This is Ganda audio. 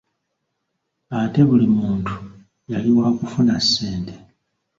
Ate buli muntu yali waakufuna ssente.